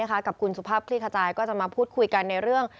กับคุณสุภาพคลี่ขจายก็จะมาพูดคุยกันในเรื่อง